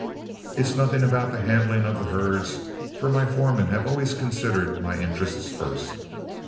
It's nothing about the handling of the herds, for my foremen have always considered my interests first.